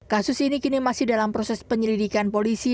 kasus ini kini masih dalam proses penyelidikan polisi